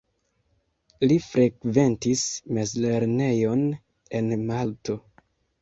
Li frekventis mezlernejon en Malto.